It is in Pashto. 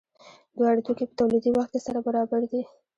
دواړه توکي په تولیدي وخت کې سره برابر دي.